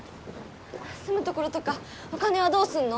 住む所とかお金はどうすんの？